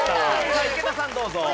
さあ池田さんどうぞ。